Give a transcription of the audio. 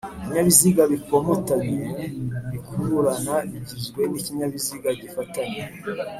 ibinyabiziga bikomatanye bikururana bigizwe n'ikinyabiziga gifatanye